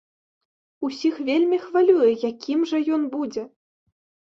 Усіх вельмі хвалюе, якім жа ён будзе.